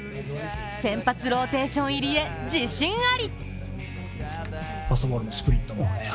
先発ローテーション入りへ自信あり。